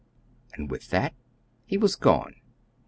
And with that he was gone.